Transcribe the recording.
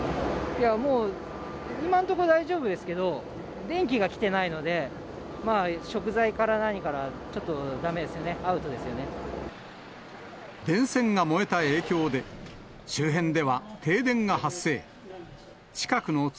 いやもう、今のところ大丈夫ですけど、電気がきてないので、食材から何から、ちょっとだめで電線が燃えた影響で、周辺では停電が発生。